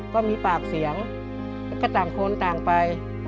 ก็มีปากเสียงแล้วก็ต่างคนต่างไป